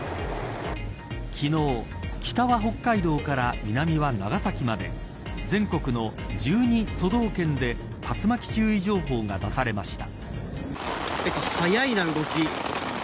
昨日、北は北海道から南は長崎まで全国の１２都道県で竜巻注意情報が出されました。